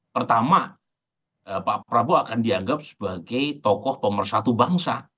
pertama pak prabowo akan dianggap sebagai tokoh pemersatu bangsa